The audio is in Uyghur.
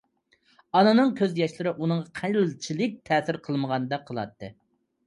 ئانىنىڭ كۆز ياشلىرى ئۇنىڭغا قىلچىلىك تەسىر قىلمىغاندەك قىلاتتى.